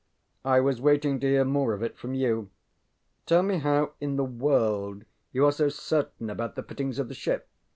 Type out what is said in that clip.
I was waiting to hear more of it from you. Tell me how in the world you re so certain about the fittings of the ship.